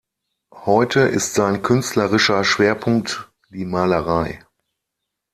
Heute ist sein künstlerischer Schwerpunkt die Malerei.